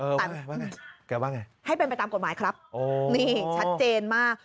แต่แกว่าไงให้เป็นไปตามกฎหมายครับนี่ชัดเจนมาก